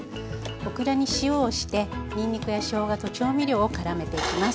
オクラに塩をしてにんにくやしょうがと調味料をからめていきます。